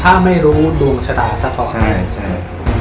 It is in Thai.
ถ้าไม่รู้ดวงสตาร์ทใช่ใช่